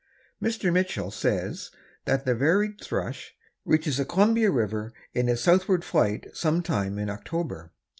Mr. Mitchell says that the Varied Thrush reaches the Columbia river in its southward flight some time in October.